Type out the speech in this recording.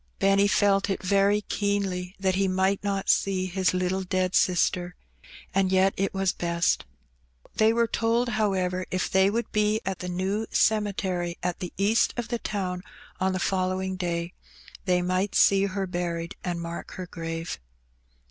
Benny felfc it very keenly that he might not see his little dead sister, and yet it was best. They were told, however, if they would be at the New Cemetery at the east of the town on the following day, they might see her buried, and mark her grave.